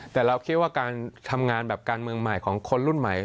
แต่เราคิดว่าการทำงานแบบการเมืองใหม่ของคนรุ่นใหม่